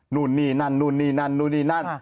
นู่นนี่นั่นนู่นนี่นั่นนู่นนี่นั่น